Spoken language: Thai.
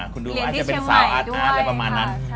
คุณดูเป็นซาวอาร์ดค่ะใช่เรียนที่เชี่ยวใหม่ด้วยอาทอะไรประมาณนั้น